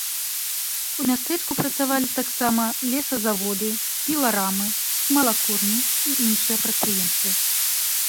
У мястэчку працавалі таксама лесазаводы, піларамы, смалакурні і іншыя прадпрыемствы.